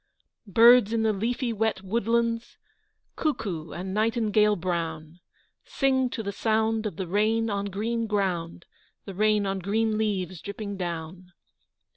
Birds in the leafy wet woodlands, Cuckoo and nightingale brown, Sing to the sound of the rain on green ground The rain on green leaves dripping down!